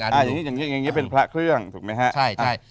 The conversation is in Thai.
อย่างนี้เป็นพระเครื่องถูกมั้ยฮะ